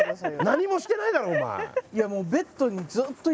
何もしてないだろお前。